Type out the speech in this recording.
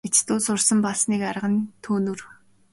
Хятадуудаас сурсан бас нэг арга нь төөнүүр.